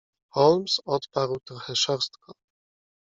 "Holmes odparł trochę szorstko."